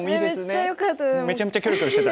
ねえめっちゃよかった。